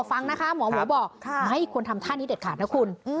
ฟังนะคะหมอหมูบอกไม่ควรทำท่านี้เด็ดขาดนะคุณ